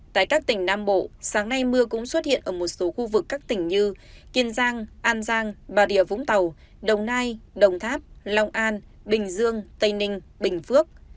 tại các tỉnh nam bộ sáng nay mưa cũng xuất hiện ở một số khu vực các tỉnh như kiên giang an giang bà rịa vũng tàu đồng nai đồng tháp long an bình dương tây ninh bình phước